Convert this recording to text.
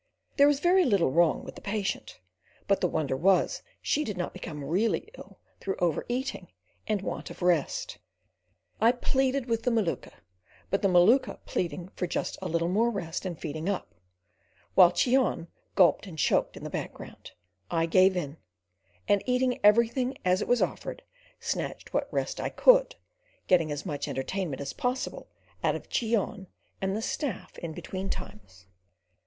There was very little wrong with the patient, but the wonder was she did not become really ill through over eating and want of rest. I pleaded with the Maluka, but the Maluka pleading for just a little more rest and feeding up, while Cheon gulped and choked in the background, I gave in, and eating everything as it was offered, snatched what rest I could, getting as much entertainment as possible out of Cheon and the staff in between times.